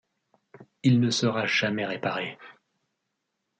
Il ne sera jamais réparé.